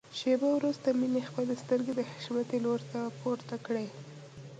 شېبه وروسته مينې خپلې سترګې د حشمتي لوري ته پورته کړې.